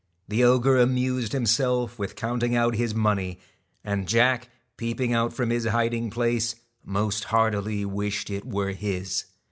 The ogre amused himself with counting out his money ; and Jack, peeping from his hiding place, most heartily wished it were his.